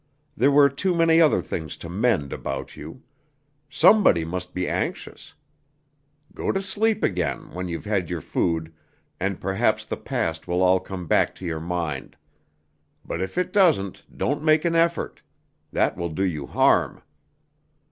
There were too many other things to mend about you! Somebody must be anxious. Go to sleep again when you've had your food, and perhaps the past will all come back to your mind. But if it doesn't, don't make an effort. That will do you harm."